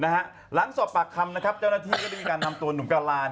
หลังสอบปากคำนะครับเจ้าหน้าที่ก็ได้มีการนำตัวหนุ่มกะลาน